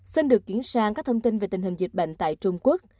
xin được chuyển sang các thông tin về tình hình dịch bệnh tại trung quốc